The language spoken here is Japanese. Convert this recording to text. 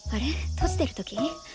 閉じてる時？